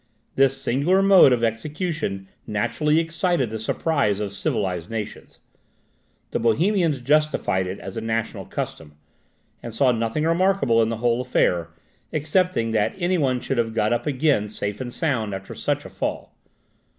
This singular mode of execution naturally excited the surprise of civilized nations. The Bohemians justified it as a national custom, and saw nothing remarkable in the whole affair, excepting that any one should have got up again safe and sound after such a fall.